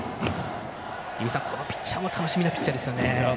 このピッチャーも楽しみなピッチャーですよね。